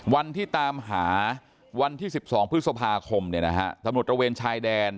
วันที่ตามหาวันที่๑๒พฤษภาคมตำรวจระเวนชายแดน